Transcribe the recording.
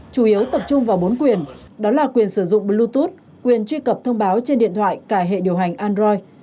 chủ yếu tập trung vào bốn quyền đó là quyền sử dụng bluetooth quyền truy cập thông báo trên điện thoại cả hệ điều hành android